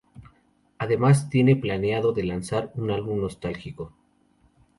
Además tiene planeado de lanzar un álbum nostálgico.